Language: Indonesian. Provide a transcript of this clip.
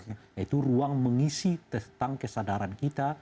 yaitu ruang mengisi tentang kesadaran kita